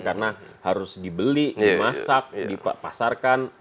karena harus dibeli dimasak dipasarkan